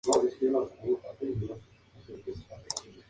Entre sus influencias destacan Bill Haley, Chubby Checker y Elvis Presley.